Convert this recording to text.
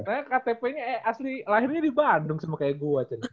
karena ktp nya eh asli lahirnya di bandung sama kayak gua cun